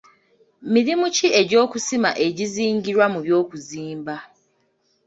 Mirimu ki egy'okusima egizingirwa mu by'okuzimba.